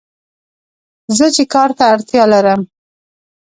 زه چې کار ته اړتیا لرم